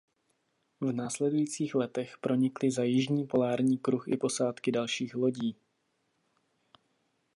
V následujících letech pronikly za jižní polární kruh i posádky dalších lodí.